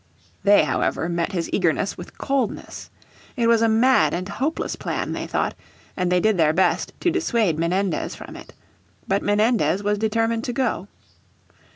They, however, met his eagerness with coldness. It was a mad and hopeless plan, they thought, and they did their best to dissuade Menendez from it. But Menendez was determined to go.